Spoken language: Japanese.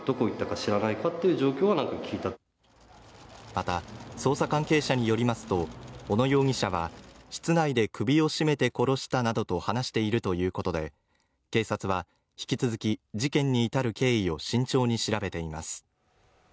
また捜査関係者によりますと小野容疑者は室内で首を絞めて殺したなどと話しているということで警察は引き続き事件に至る経緯を慎重に調べています